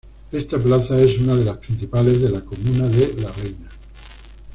Esta plaza es una de las principales de la comuna de La Reina.